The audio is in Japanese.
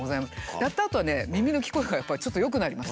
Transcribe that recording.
やったあとはね耳の聞こえがやっぱりちょっと良くなります。